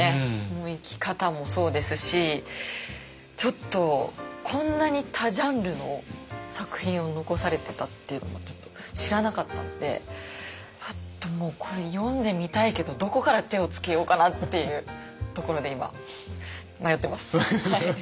もう生き方もそうですしちょっとこんなに多ジャンルの作品を残されてたっていうのもちょっと知らなかったのでもうこれ読んでみたいけどどこから手をつけようかなっていうところで今迷ってます。